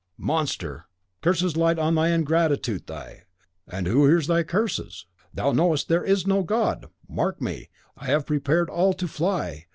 "Monster! Curses light on thy ingratitude, thy " "And who hears thy curses? Thou knowest there is no God! Mark me; I have prepared all to fly.